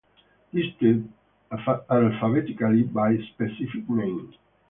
Listed alphabetically by specific name.